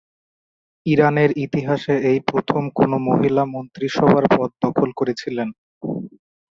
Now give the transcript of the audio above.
ইরানের ইতিহাসে এই প্রথম কোনও মহিলা মন্ত্রিসভার পদ দখল করেছিলেন।